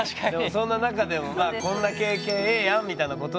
そんな中でもこんな経験ええやんみたいなことなんでしょうね。